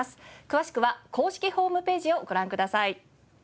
詳しくは公式ホームページをご覧ください。